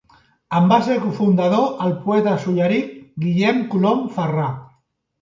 En va ser cofundador el poeta solleric Guillem Colom Ferrà.